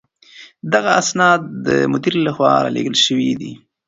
دغه اسناد د مدير له خوا رالېږل شوي دي.